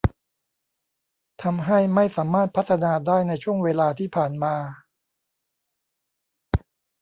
ทำให้ไม่สามารถพัฒนาได้ในช่วงเวลาที่ผ่านมา